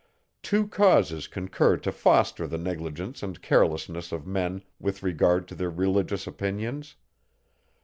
Two causes concur to foster the negligence and carelessness of men, with regard to their religious opinions.